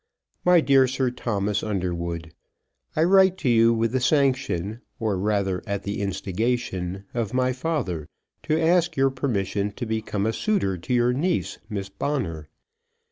MY DEAR SIR THOMAS UNDERWOOD, I write to you with the sanction, or rather at the instigation, of my father to ask your permission to become a suitor to your niece, Miss Bonner.